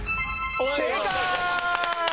正解！